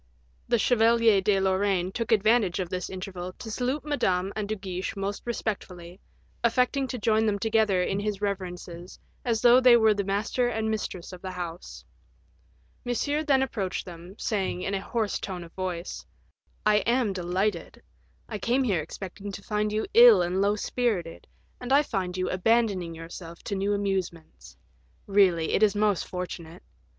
The Chevalier de Lorraine took advantage of this interval to salute Madame and De Guiche most respectfully, affecting to join them together in his reverences as though they were the master and mistress of the house. Monsieur then approached them, saying, in a hoarse tone of voice, "I am delighted; I came here expecting to find you ill and low spirited, and I find you abandoning yourself to new amusements; really, it is most fortunate.